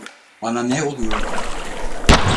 Bana ne oluyordu?